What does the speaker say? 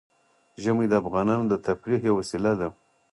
ژمی د افغانانو د تفریح یوه وسیله ده.